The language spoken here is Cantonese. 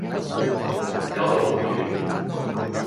攪到好亂